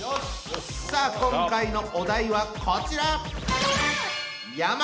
さあ今回のお題はこちら！